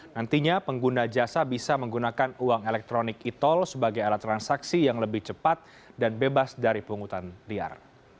nantinya pengguna jasa bisa menggunakan uang elektronik e tol sebagai alat transaksi yang lebih cepat dan bebas dari penghutan liar